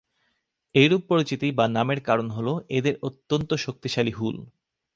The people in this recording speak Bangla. এরূপ পরিচিতি বা নামের কারণ হলো এদের অত্যন্ত শক্তিশালী হুল।